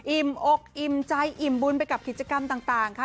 อกอิ่มใจอิ่มบุญไปกับกิจกรรมต่างค่ะ